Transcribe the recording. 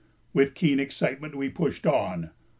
With keen excitement we pushed on.